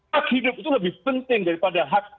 hak hidup itu lebih penting daripada hak